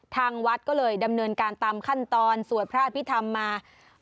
ทางวัดก็เลยดำเนินการตามขั้นตอนสวดพระอภิษฐรรมมา